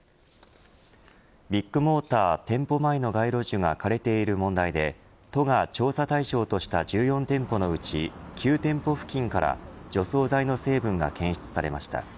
ビッグモーター店舗前の街路樹が枯れている問題で都が調査対象とした１４店舗のうち９店舗付近から除草剤の成分が検出されました。